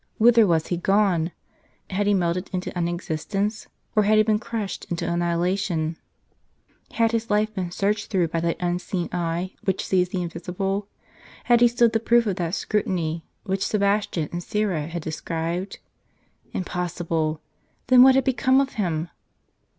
Whither was he gone? Had he melted into unexistence, or had he been crushed into annihi lation ? Had Ms life been searched through by that unseen eye which sees the invisible ? Had he stood the proof of that scrutiny which Sebastian and Syra had described ? Impos sible ! Then what had become of him